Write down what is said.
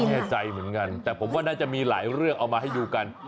แน่ใจเหมือนกันแต่ผมว่าน่าจะมีหลายเรื่องเอามาให้ดูกัน